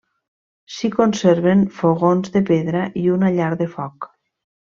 S'hi conserven fogons de pedra i una llar de foc.